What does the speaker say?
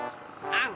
アン！